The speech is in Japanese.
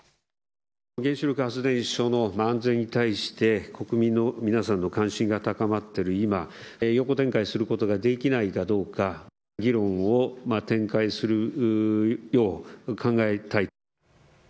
原子力発電所の安全に対して、国民の皆さんの関心が高まっている今、横展開することができないかどうか議論を展開するよう、考えたい。